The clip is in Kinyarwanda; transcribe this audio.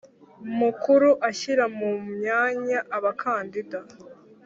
Mukuru ashyira mu myanya abakandida